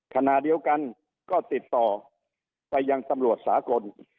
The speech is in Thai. ขณะเดียวกันก็ติดต่อไปยังตำรวจสากล